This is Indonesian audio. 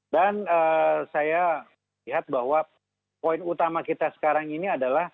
dan saya lihat bahwa poin utama kita sekarang ini adalah